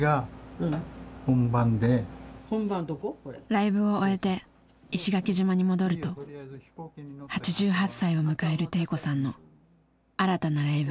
ライブを終えて石垣島に戻ると８８歳を迎える悌子さんの新たなライブが決まっていた。